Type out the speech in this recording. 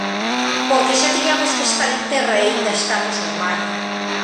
Porque xa tiñamos que estar en terra e aínda estamos no mar.